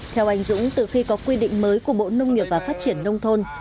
theo anh dũng từ khi có quy định mới của bộ nông nghiệp và phát triển nông thôn